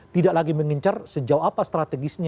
tidak lagi mengincar sejauh apa strategisnya